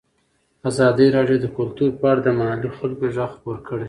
ازادي راډیو د کلتور په اړه د محلي خلکو غږ خپور کړی.